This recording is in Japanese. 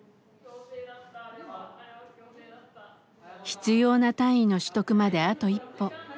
必要な単位の取得まであと一歩。